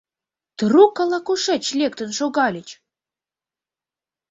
Трук ала-кушеч лектын шогальыч!